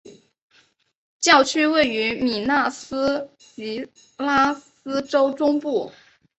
教区位于米纳斯吉拉斯州中部。